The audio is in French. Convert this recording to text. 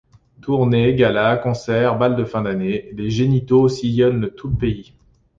Tournées, galas, concerts, bals de fin d'année, les Génitaux sillonnent tout le pays.